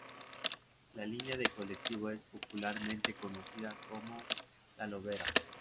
La línea de colectivos es popularmente conocida como "La Lobera".